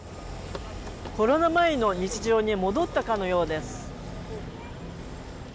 コロナ前の日常に戻ったかのようです。